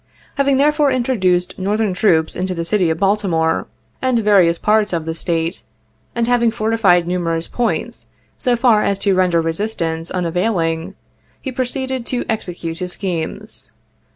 Having therefore introduced Northern troops into the city of Baltimore and various parts of the State, and having fortified numerous points so far as to render resistance un availing, he proceeded to execute his schemes.